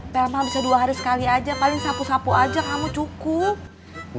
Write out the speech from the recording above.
telma bisa dua hari sekali aja paling sapu sapu aja kamu cukup